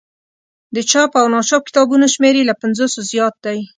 د چاپ او ناچاپ کتابونو شمېر یې له پنځوسو زیات دی.